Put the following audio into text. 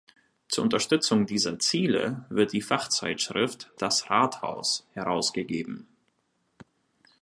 Zur Unterstützung dieser Ziele wird die Fachzeitschrift "das rathaus" herausgegeben.